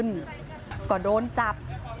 แม่ก็ให้โอกาสแม่